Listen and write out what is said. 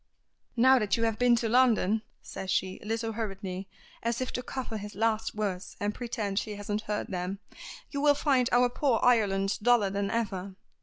"Now that you have been to London," says she, a little hurriedly, as if to cover his last words and pretend she hasn't heard them, "you will find our poor Ireland duller than ever.